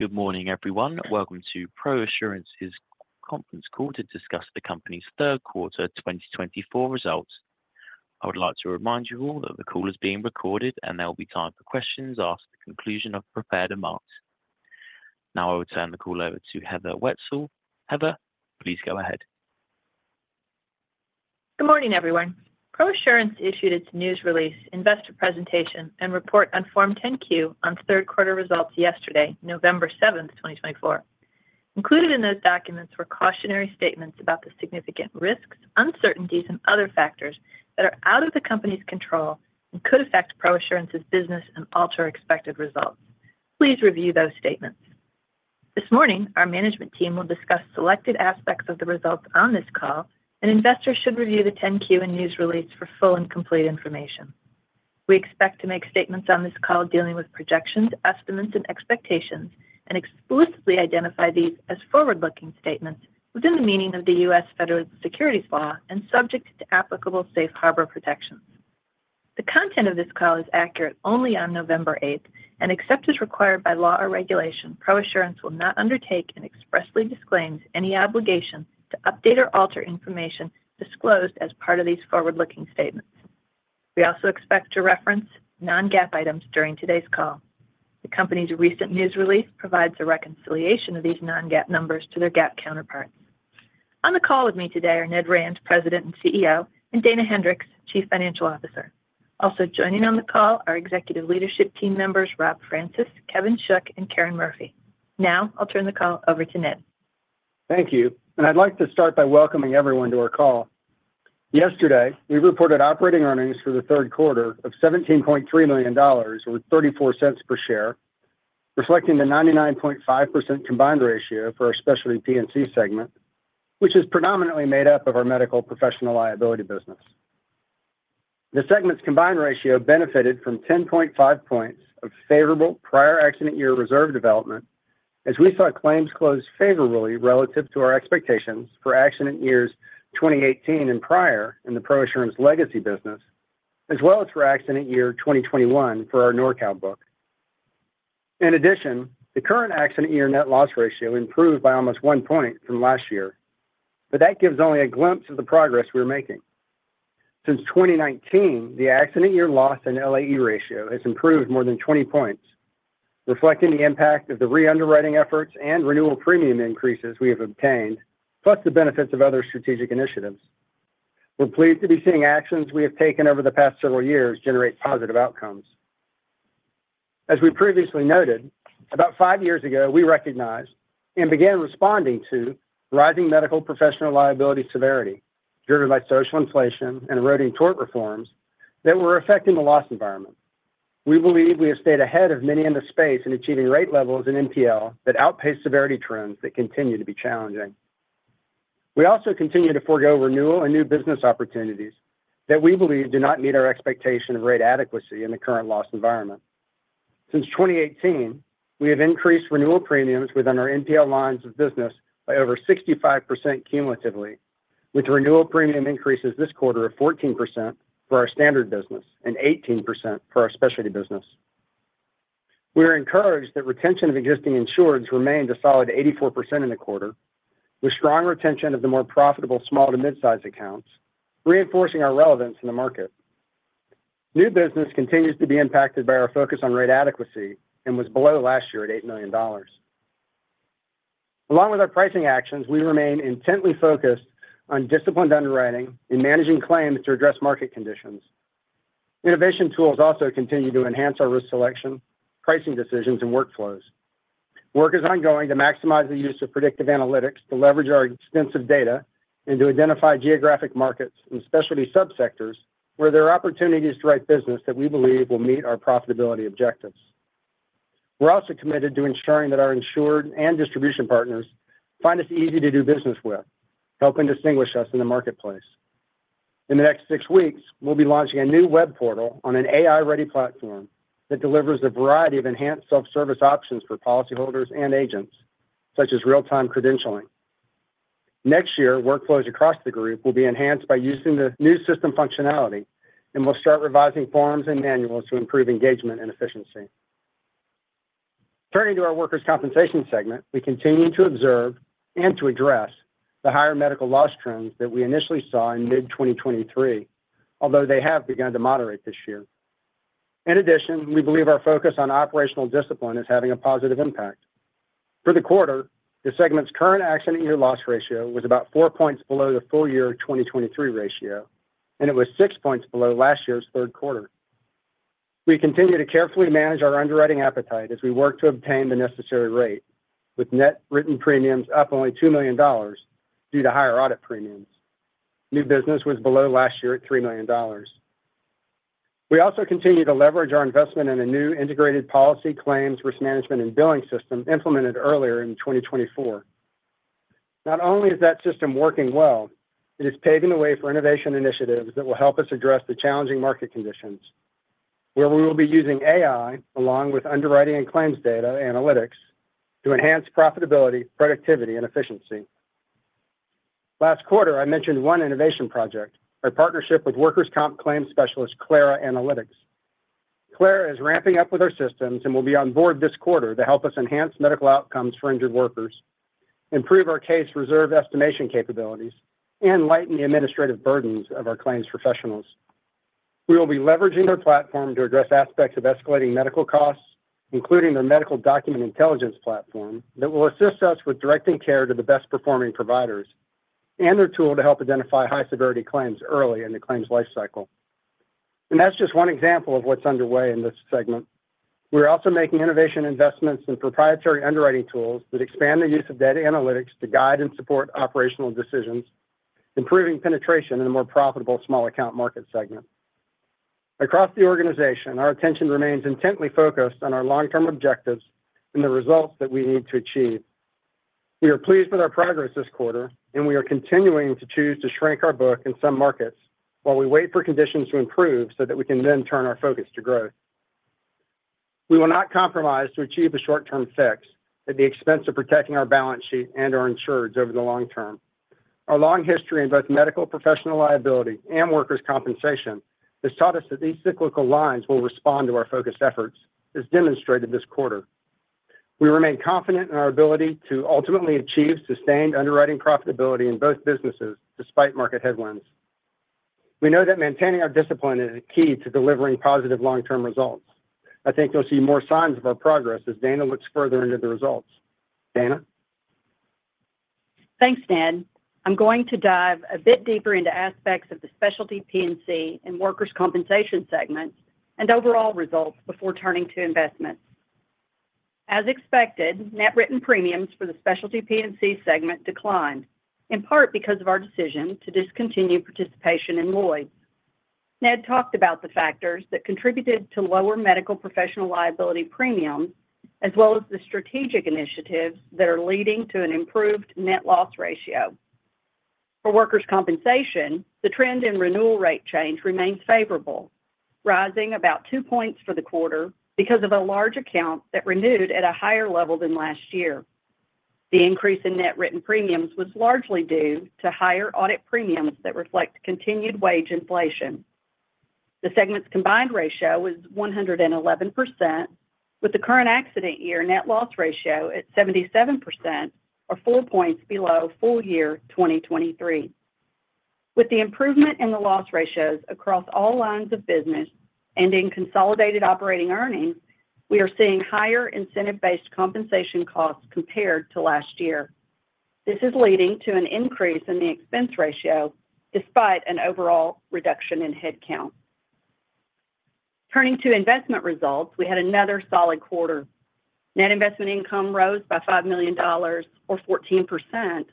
Good morning, everyone. Welcome to ProAssurance's Conference Call to discuss the company's Third Quarter 2024 Results. I would like to remind you all that the call is being recorded, and there will be time for questions after the conclusion of the prepared remarks. Now I will turn the call over to Heather Wietzel. Heather, please go ahead. Good morning, everyone. ProAssurance issued its news release, investor presentation, and report on Form 10-Q on third quarter results yesterday, November 7, 2024. Included in those documents were cautionary statements about the significant risks, uncertainties, and other factors that are out of the company's control and could affect ProAssurance's business and alter expected results. Please review those statements. This morning, our management team will discuss selected aspects of the results on this call, and investors should review the 10-Q and news release for full and complete information. We expect to make statements on this call dealing with projections, estimates, and expectations, and explicitly identify these as forward-looking statements within the meaning of the U.S. Federal Securities Law and subject to applicable safe harbor protections. The content of this call is accurate only on November 8, and except as required by law or regulation, ProAssurance will not undertake and expressly disclaims any obligation to update or alter information disclosed as part of these forward-looking statements. We also expect to reference non-GAAP items during today's call. The company's recent news release provides a reconciliation of these non-GAAP numbers to their GAAP counterparts. On the call with me today are Ned Rand, President and CEO, and Dana Hendricks, Chief Financial Officer. Also joining on the call are Executive Leadership Team members Rob Francis, Kevin Shook, and Karen Murphy. Now I'll turn the call over to Ned. Thank you. I'd like to start by welcoming everyone to our call. Yesterday, we reported operating earnings for the third quarter of $17.3 million, or $0.34 per share, reflecting the 99.5% combined ratio for our specialty P&C segment, which is predominantly made up of our medical professional liability business. The segment's combined ratio benefited from 10.5 points of favorable prior accident year reserve development, as we saw claims closed favorably relative to our expectations for accident years 2018 and prior in the ProAssurance legacy business, as well as for accident year 2021 for our NORCAL book. In addition, the current accident year net loss ratio improved by almost one point from last year, but that gives only a glimpse of the progress we're making. Since 2019, the accident year loss and LAE ratio has improved more than 20 points, reflecting the impact of the re-underwriting efforts and renewal premium increases we have obtained, plus the benefits of other strategic initiatives. We're pleased to be seeing actions we have taken over the past several years generate positive outcomes. As we previously noted, about five years ago, we recognized and began responding to rising medical professional liability severity driven by social inflation and eroding tort reforms that were affecting the loss environment. We believe we have stayed ahead of many in the space in achieving rate levels and MPL that outpace severity trends that continue to be challenging. We also continue to forgo renewal and new business opportunities that we believe do not meet our expectation of rate adequacy in the current loss environment. Since 2018, we have increased renewal premiums within our MPL lines of business by over 65% cumulatively, with renewal premium increases this quarter of 14% for our standard business and 18% for our specialty business. We are encouraged that retention of existing insureds remained a solid 84% in the quarter, with strong retention of the more profitable small to mid-size accounts, reinforcing our relevance in the market. New business continues to be impacted by our focus on rate adequacy and was below last year at $8 million. Along with our pricing actions, we remain intently focused on disciplined underwriting and managing claims to address market conditions. Innovation tools also continue to enhance our risk selection, pricing decisions, and workflows. Work is ongoing to maximize the use of predictive analytics to leverage our extensive data and to identify geographic markets and specialty subsectors where there are opportunities to write business that we believe will meet our profitability objectives. We're also committed to ensuring that our insured and distribution partners find us easy to do business with, helping distinguish us in the marketplace. In the next six weeks, we'll be launching a new web portal on an AI-ready platform that delivers a variety of enhanced self-service options for policyholders and agents, such as real-time credentialing. Next year, workflows across the group will be enhanced by using the new system functionality, and we'll start revising forms and manuals to improve engagement and efficiency. Turning to our workers' compensation segment, we continue to observe and to address the higher medical loss trends that we initially saw in mid-2023, although they have begun to moderate this year. In addition, we believe our focus on operational discipline is having a positive impact. For the quarter, the segment's current accident year loss ratio was about four points below the full year 2023 ratio, and it was six points below last year's third quarter. We continue to carefully manage our underwriting appetite as we work to obtain the necessary rate, with net written premiums up only $2 million due to higher audit premiums. New business was below last year at $3 million. We also continue to leverage our investment in a new integrated policy, claims, risk management, and billing system implemented earlier in 2024. Not only is that system working well, it is paving the way for innovation initiatives that will help us address the challenging market conditions, where we will be using AI along with underwriting and claims data analytics to enhance profitability, productivity, and efficiency. Last quarter, I mentioned one innovation project, our partnership with workers' comp claims specialist CLARA Analytics. CLARA is ramping up with our systems and will be on board this quarter to help us enhance medical outcomes for injured workers, improve our case reserve estimation capabilities, and lighten the administrative burdens of our claims professionals. We will be leveraging their platform to address aspects of escalating medical costs, including their medical document intelligence platform that will assist us with directing care to the best-performing providers and their tool to help identify high-severity claims early in the claims lifecycle. And that's just one example of what's underway in this segment. We're also making innovation investments in proprietary underwriting tools that expand the use of data analytics to guide and support operational decisions, improving penetration in a more profitable small account market segment. Across the organization, our attention remains intently focused on our long-term objectives and the results that we need to achieve. We are pleased with our progress this quarter, and we are continuing to choose to shrink our book in some markets while we wait for conditions to improve so that we can then turn our focus to growth. We will not compromise to achieve a short-term fix at the expense of protecting our balance sheet and our insureds over the long term. Our long history in both medical professional liability and workers' compensation has taught us that these cyclical lines will respond to our focused efforts, as demonstrated this quarter. We remain confident in our ability to ultimately achieve sustained underwriting profitability in both businesses despite market headwinds. We know that maintaining our discipline is key to delivering positive long-term results. I think you'll see more signs of our progress as Dana looks further into the results. Dana. Thanks, Ned. I'm going to dive a bit deeper into aspects of the specialty P&C and workers' compensation segments and overall results before turning to investments. As expected, net written premiums for the specialty P&C segment declined, in part because of our decision to discontinue participation in Lloyd's. Ned talked about the factors that contributed to lower medical professional liability premiums, as well as the strategic initiatives that are leading to an improved net loss ratio. For workers' compensation, the trend in renewal rate change remains favorable, rising about two points for the quarter because of a large account that renewed at a higher level than last year. The increase in net written premiums was largely due to higher audit premiums that reflect continued wage inflation. The segment's combined ratio was 111%, with the current accident year net loss ratio at 77%, or four points below full year 2023. With the improvement in the loss ratios across all lines of business and in consolidated operating earnings, we are seeing higher incentive-based compensation costs compared to last year. This is leading to an increase in the expense ratio despite an overall reduction in headcount. Turning to investment results, we had another solid quarter. Net investment income rose by $5 million, or 14%,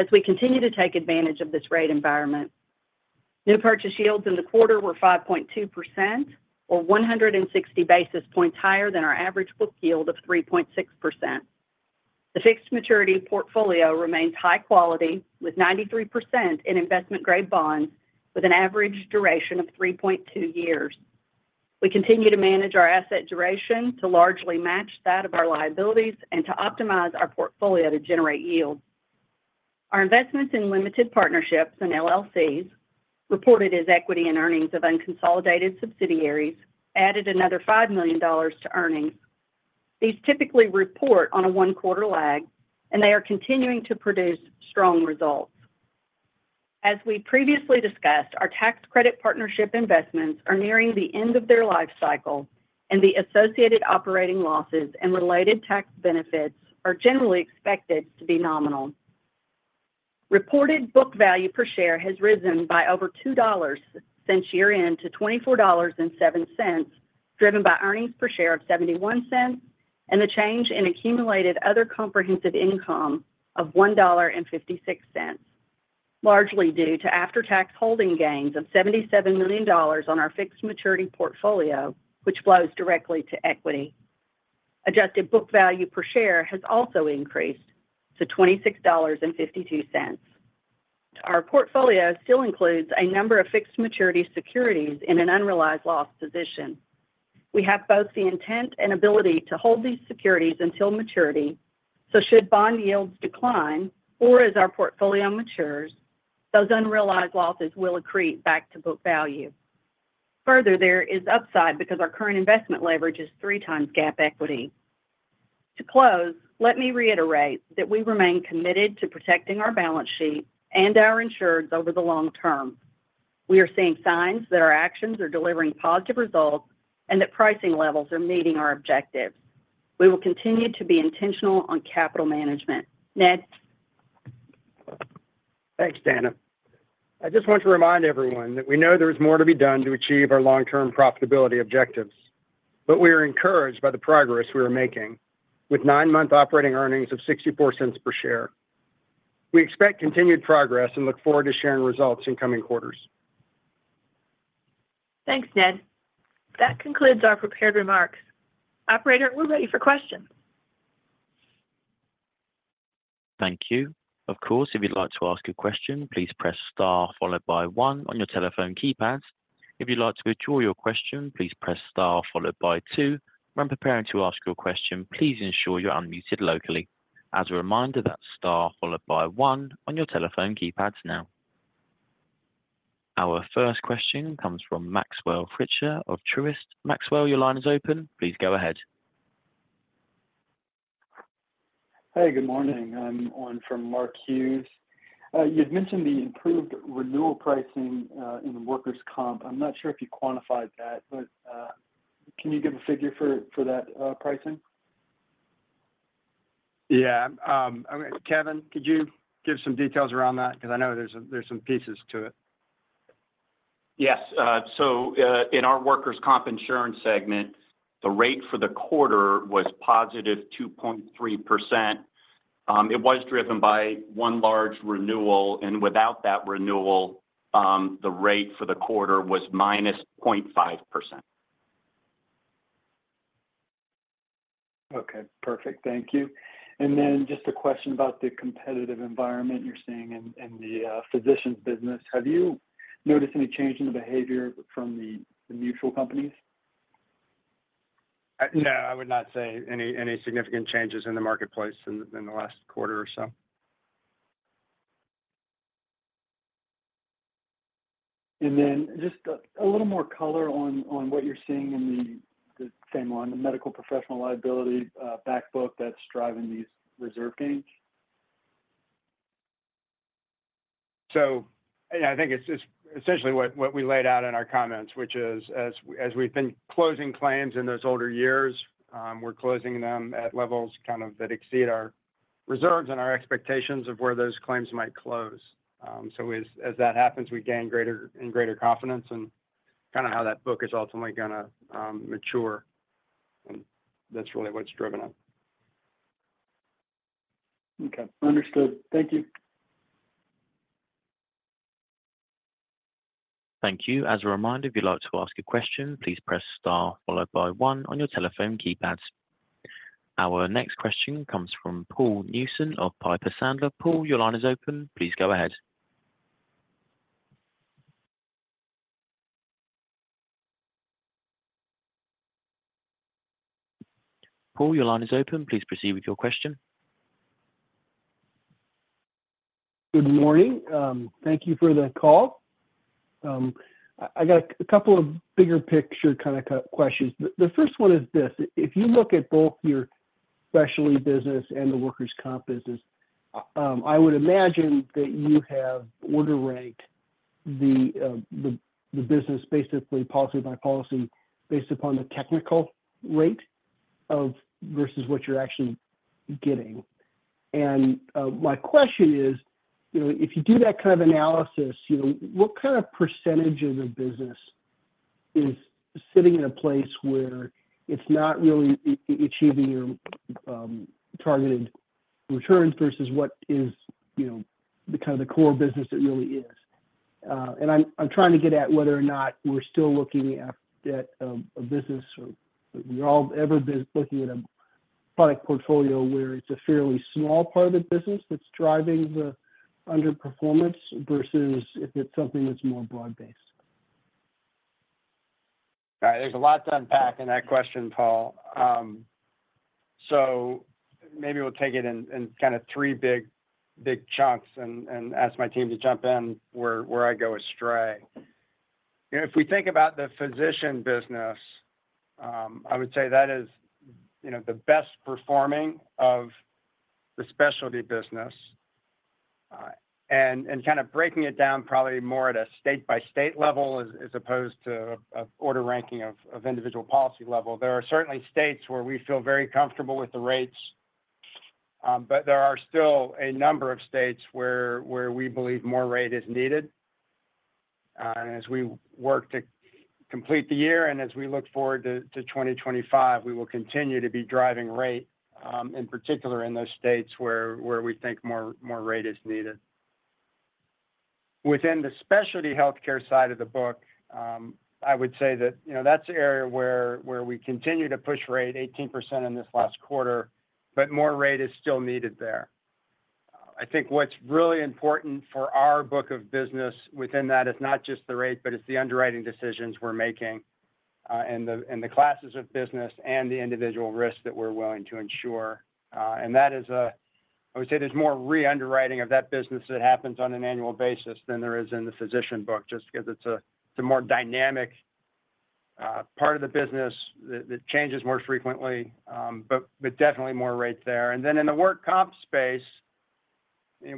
as we continue to take advantage of this rate environment. New purchase yields in the quarter were 5.2%, or 160 basis points higher than our average book yield of 3.6%. The fixed maturity portfolio remains high quality, with 93% in investment-grade bonds with an average duration of 3.2 years. We continue to manage our asset duration to largely match that of our liabilities and to optimize our portfolio to generate yield. Our investments in limited partnerships and LLCs reported as equity in earnings of unconsolidated subsidiaries added another $5 million to earnings. These typically report on a one-quarter lag, and they are continuing to produce strong results. As we previously discussed, our tax credit partnership investments are nearing the end of their life cycle, and the associated operating losses and related tax benefits are generally expected to be nominal. Reported book value per share has risen by over $2 since year-end to $24.07, driven by earnings per share of $0.71 and the change in accumulated other comprehensive income of $1.56, largely due to after-tax holding gains of $77 million on our fixed maturity portfolio, which flows directly to equity. Adjusted book value per share has also increased to $26.52. Our portfolio still includes a number of fixed maturity securities in an unrealized loss position. We have both the intent and ability to hold these securities until maturity, so should bond yields decline or as our portfolio matures, those unrealized losses will accrete back to book value. Further, there is upside because our current investment leverage is three times GAAP equity. To close, let me reiterate that we remain committed to protecting our balance sheet and our insureds over the long term. We are seeing signs that our actions are delivering positive results and that pricing levels are meeting our objectives. We will continue to be intentional on capital management. Ned. Thanks, Dana. I just want to remind everyone that we know there is more to be done to achieve our long-term profitability objectives, but we are encouraged by the progress we are making with nine-month operating earnings of $0.64 per share. We expect continued progress and look forward to sharing results in coming quarters. Thanks, Ned. That concludes our prepared remarks. Operator, we're ready for questions. Thank you. Of course, if you'd like to ask a question, please press star followed by one on your telephone keypad. If you'd like to withdraw your question, please press star followed by two. When preparing to ask your question, please ensure you're unmuted locally. As a reminder, that's star followed by one on your telephone keypads now. Our first question comes from Maxwell Fritscher of Truist. Maxwell, your line is open. Please go ahead. Hey, good morning. I'm on for Mark. You'd mentioned the improved renewal pricing in workers' comp. I'm not sure if you quantified that, but can you give a figure for that pricing? Yeah. Kevin, could you give some details around that? Because I know there's some pieces to it. Yes. So in our workers' comp insurance segment, the rate for the quarter was positive 2.3%. It was driven by one large renewal. And without that renewal, the rate for the quarter was minus 0.5%. Okay. Perfect. Thank you. And then just a question about the competitive environment you're seeing in the physicians' business. Have you noticed any change in the behavior from the mutual companies? No, I would not say any significant changes in the marketplace in the last quarter or so. Just a little more color on what you're seeing in the same line, the medical professional liability backbook that's driving these reserve gains? So I think it's essentially what we laid out in our comments, which is as we've been closing claims in those older years, we're closing them at levels kind of that exceed our reserves and our expectations of where those claims might close. So as that happens, we gain greater confidence in kind of how that book is ultimately going to mature. And that's really what's driven it. Okay. Understood. Thank you. Thank you. As a reminder, if you'd like to ask a question, please press star followed by one on your telephone keypads. Our next question comes from Paul Newsome of Piper Sandler. Paul, your line is open. Please go ahead. Paul, your line is open. Please proceed with your question. Good morning. Thank you for the call. I got a couple of bigger picture kind of questions. The first one is this: if you look at both your specialty business and the workers' comp business, I would imagine that you have order ranked the business basically policy by policy based upon the technical rate versus what you're actually getting. And my question is, if you do that kind of analysis, what kind of percentage of the business is sitting in a place where it's not really achieving your targeted returns versus what is kind of the core business it really is? And I'm trying to get at whether or not we're still looking at a business or we're all ever looking at a product portfolio where it's a fairly small part of the business that's driving the underperformance versus if it's something that's more broad-based. All right. There's a lot to unpack in that question, Paul. So maybe we'll take it in kind of three big chunks and ask my team to jump in where I go astray. If we think about the physician business, I would say that is the best performing of the specialty business. And kind of breaking it down probably more at a state-by-state level as opposed to an order ranking of individual policy level, there are certainly states where we feel very comfortable with the rates, but there are still a number of states where we believe more rate is needed. And as we work to complete the year and as we look forward to 2025, we will continue to be driving rate, in particular in those states where we think more rate is needed. Within the specialty healthcare side of the book, I would say that that's an area where we continue to push rate 18% in this last quarter, but more rate is still needed there. I think what's really important for our book of business within that is not just the rate, but it's the underwriting decisions we're making and the classes of business and the individual risk that we're willing to insure. And that is a, I would say there's more re-underwriting of that business that happens on an annual basis than there is in the physician book, just because it's a more dynamic part of the business that changes more frequently, but definitely more rate there. And then in the work comp space,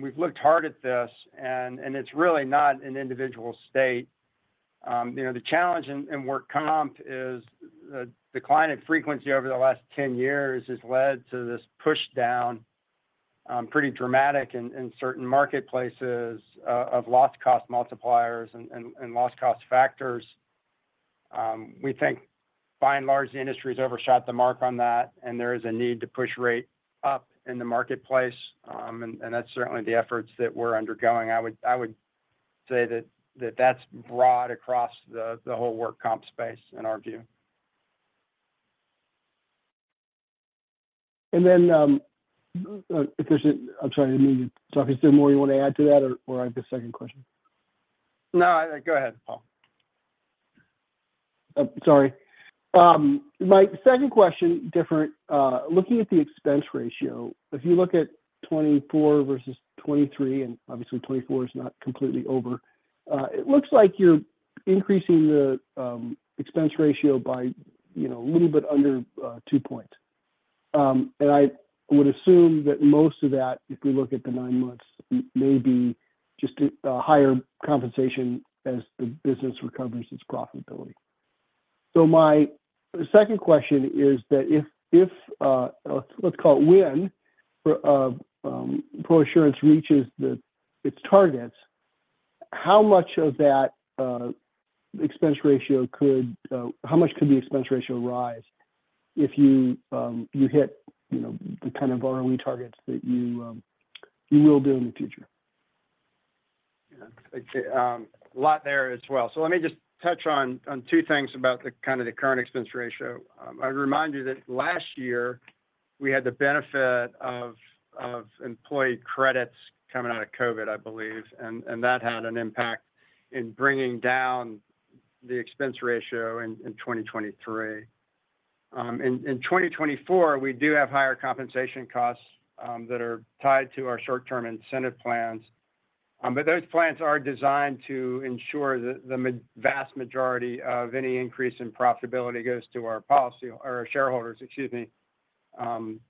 we've looked hard at this, and it's really not an individual state. The challenge in work comp is the decline in frequency over the last 10 years, has led to this push down pretty dramatic in certain marketplaces of loss cost multipliers and loss cost factors. We think by and large the industry has overshot the mark on that, and there is a need to push rate up in the marketplace, and that's certainly the efforts that we're undergoing. I would say that that's broad across the whole work comp space in our view. And then if there's, I'm sorry, I didn't mean to talk. Is there more you want to add to that, or I have a second question? No, go ahead, Paul. Sorry. My second question, different. Looking at the expense ratio, if you look at 24 versus 23, and obviously 24 is not completely over, it looks like you're increasing the expense ratio by a little bit under two points. And I would assume that most of that, if we look at the nine months, may be just a higher compensation as the business recovers its profitability. So my second question is that if, let's call it when, ProAssurance reaches its targets, how much of that expense ratio could, how much could the expense ratio rise if you hit the kind of ROE targets that you will do in the future? A lot there as well. So let me just touch on two things about kind of the current expense ratio. I remind you that last year we had the benefit of employee credits coming out of COVID, I believe, and that had an impact in bringing down the expense ratio in 2023. In 2024, we do have higher compensation costs that are tied to our short-term incentive plans, but those plans are designed to ensure that the vast majority of any increase in profitability goes to our policyholders, excuse me,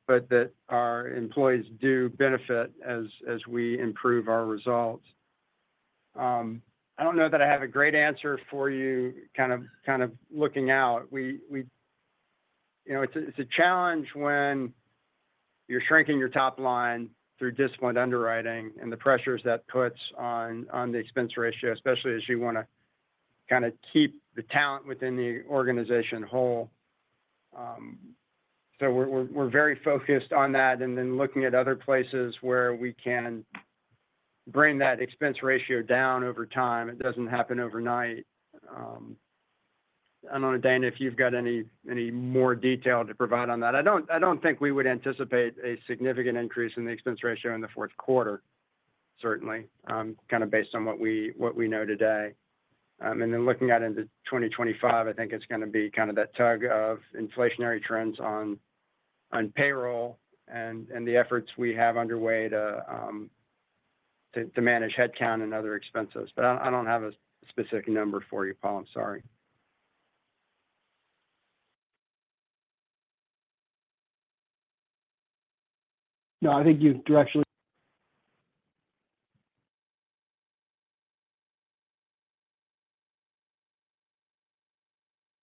but that our employees do benefit as we improve our results. I don't know that I have a great answer for you kind of looking out. It's a challenge when you're shrinking your top line through disciplined underwriting and the pressures that puts on the expense ratio, especially as you want to kind of keep the talent within the organization whole. So we're very focused on that and then looking at other places where we can bring that expense ratio down over time. It doesn't happen overnight. I don't know, Dana, if you've got any more detail to provide on that. I don't think we would anticipate a significant increase in the expense ratio in the fourth quarter, certainly, kind of based on what we know today. And then looking out into 2025, I think it's going to be kind of that tug of inflationary trends on payroll and the efforts we have underway to manage headcount and other expenses. But I don't have a specific number for you, Paul. I'm sorry. No, I think you've directionally.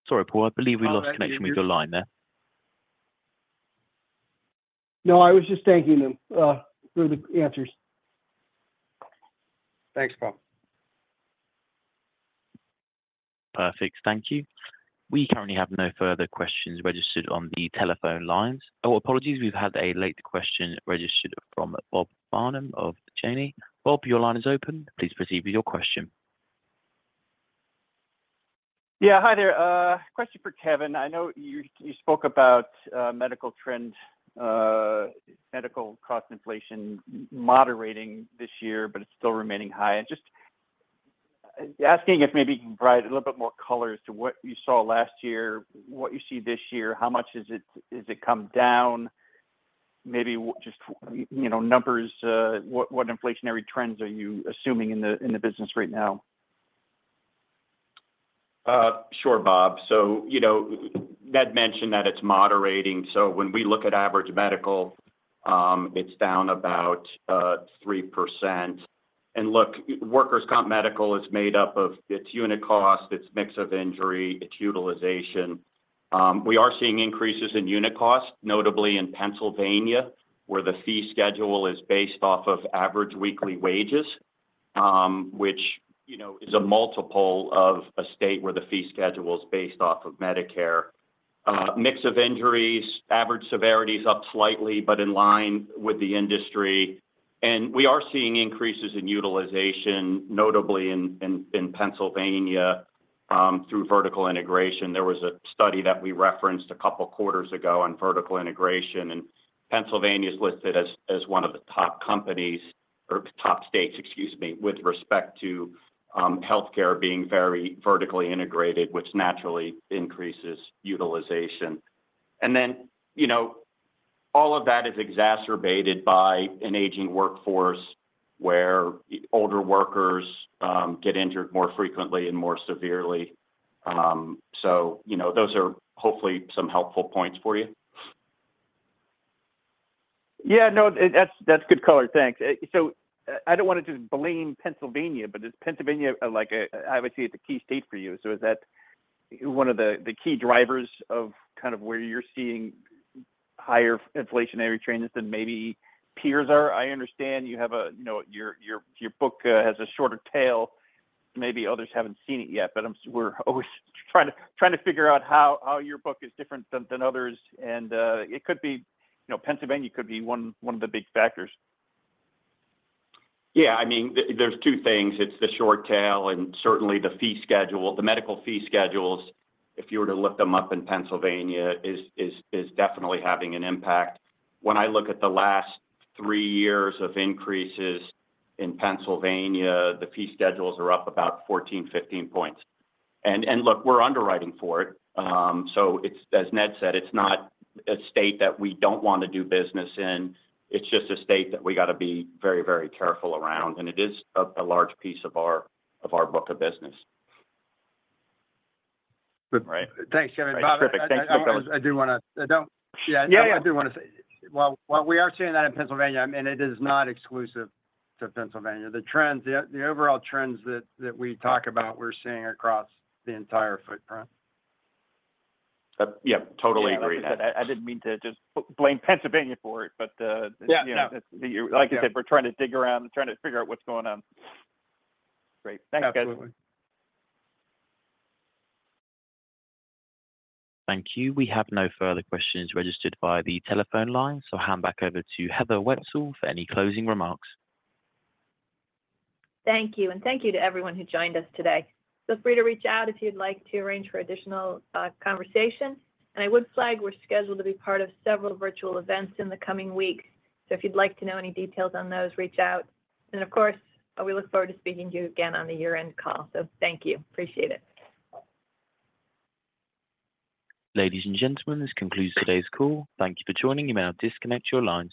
Sorry, Paul, I believe we lost connection with your line there. No, I was just thanking them for the answers. Thanks, Paul. Perfect. Thank you. We currently have no further questions registered on the telephone lines. Oh, apologies, we've had a late question registered from Bob Farnam of Janney. Bob, your line is open. Please proceed with your question. Yeah. Hi there. Question for Kevin. I know you spoke about medical cost inflation moderating this year, but it's still remaining high, and just asking if maybe you can provide a little bit more color as to what you saw last year, what you see this year, how much has it come down, maybe just numbers, what inflationary trends are you assuming in the business right now? Sure, Bob. So Ned mentioned that it's moderating. So when we look at average medical, it's down about 3%. And look, workers' comp medical is made up of its unit cost, its mix of injury, its utilization. We are seeing increases in unit cost, notably in Pennsylvania, where the fee schedule is based off of average weekly wages, which is a multiple of a state where the fee schedule is based off of Medicare. Mix of injuries, average severity is up slightly, but in line with the industry. And we are seeing increases in utilization, notably in Pennsylvania, through vertical integration. There was a study that we referenced a couple quarters ago on vertical integration, and Pennsylvania is listed as one of the top companies or top states, excuse me, with respect to healthcare being very vertically integrated, which naturally increases utilization. And then all of that is exacerbated by an aging workforce where older workers get injured more frequently and more severely. So those are hopefully some helpful points for you. Yeah. No, that's good color. Thanks. So I don't want to just blame Pennsylvania, but is Pennsylvania obviously a key state for you? So is that one of the key drivers of kind of where you're seeing higher inflationary trends than maybe peers are? I understand you have a, your book has a shorter tail. Maybe others haven't seen it yet, but we're always trying to figure out how your book is different than others. And it could be Pennsylvania could be one of the big factors. Yeah. I mean, there's two things. It's the short tail and certainly the fee schedule, the medical fee schedules, if you were to lift them up in Pennsylvania, is definitely having an impact. When I look at the last three years of increases in Pennsylvania, the fee schedules are up about 14-15 points. And look, we're underwriting for it. So as Ned said, it's not a state that we don't want to do business in. It's just a state that we got to be very, very careful around. And it is a large piece of our book of business. Thanks, Kevin. That's terrific. Thanks, Nicole. I do want to say, while we are seeing that in Pennsylvania, and it is not exclusive to Pennsylvania, the overall trends that we talk about, we're seeing across the entire footprint. Yeah. Totally agree. I didn't mean to just blame Pennsylvania for it, but like I said, we're trying to dig around and trying to figure out what's going on. Great. Thanks, guys. Absolutely. Thank you. We have no further questions registered via the telephone line, so I'll hand back over to Heather Wietzel for any closing remarks. Thank you. And thank you to everyone who joined us today. Feel free to reach out if you'd like to arrange for additional conversation. And I would flag we're scheduled to be part of several virtual events in the coming weeks. So if you'd like to know any details on those, reach out. And of course, we look forward to speaking to you again on the year-end call. So thank you. Appreciate it. Ladies and gentlemen, this concludes today's call. Thank you for joining. You may now disconnect your lines.